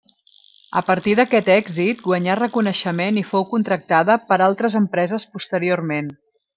A partir d'aquest èxit guanyà reconeixement i fou contractada per altres empreses posteriorment.